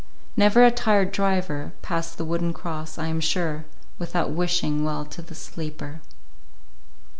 Never a tired driver passed the wooden cross, I am sure, without wishing well to the sleeper.